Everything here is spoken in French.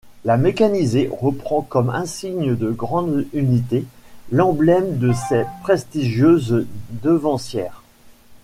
La mécanisée reprend comme insigne de grande unité, l'emblème de ses prestigieuses devancières.